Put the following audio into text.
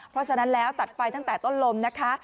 เพราะฉะนั้นแล้วตัดไฟตั้งแต่ต้นลมนะคะ